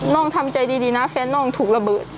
ทำใจดีนะแฟนน้องถูกระเบิด